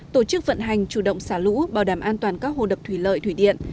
tổ chức vận hành chủ động xả lũ bảo đảm an toàn các hồ đập thủy lợi thủy điện